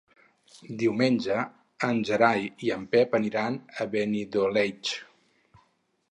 Diumenge en Gerai i en Pep aniran a Benidoleig.